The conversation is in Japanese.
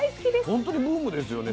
本当にブームですよね。